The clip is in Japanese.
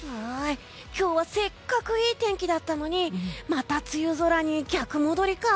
今日はせっかくいい天気だったのにまた梅雨空に逆戻りかあ。